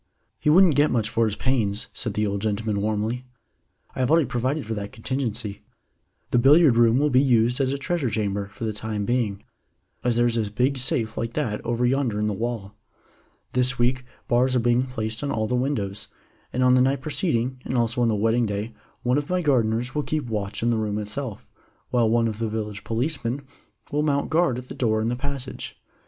"He wouldn't get much for his pains," said the old gentleman warmly. "I have already provided for that contingency. The billiard room will be used as a treasure chamber for the time being, as there is a big safe like that over yonder in the wall. This week bars are being placed on all the windows, and on the night preceding, and also on the wedding day, one of my gardeners will keep watch in the room itself, while one of the village policemen will mount guard at the door in the passage.